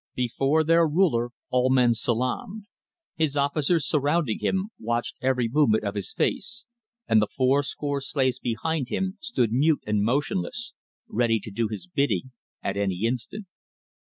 Before their ruler all men salaamed. His officers surrounding him, watched every movement of his face, and the four score slaves behind him stood mute and motionless, ready to do his bidding at any instant.